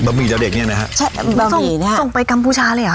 บะหมี่เจ้าเด็กเนี้ยนะฮะใช่บะหมี่เนี้ยส่งไปกัมพูชาเลยอ่ะ